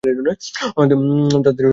তাদের ভবিষ্যৎ আছে।